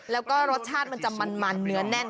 แล้วก็รสชาติมันจะมันเนื้อแน่น